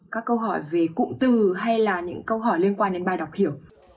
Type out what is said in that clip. các câu hỏi về cụm từ hay là những câu hỏi liên quan đến bài đọc hiểu